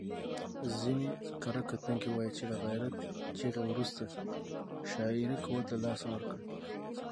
ځینې کره کتونکي وايي چې د غیرت چغې وروسته شاعري قوت له لاسه ورکړ.